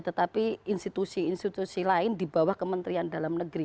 tetapi institusi institusi lain di bawah kementerian dalam negeri